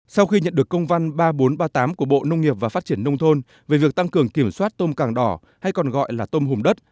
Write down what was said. sau khi nhận được công văn ba nghìn bốn trăm ba mươi tám của bộ nông nghiệp và phát triển nông thôn về việc tăng cường kiểm soát tôm càng đỏ hay còn gọi là tôm hùm đất